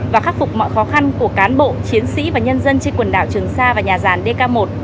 và khắc phục mọi khó khăn của cán bộ chiến sĩ và nhân dân trên quần đảo trường sa và nhà ràn dk một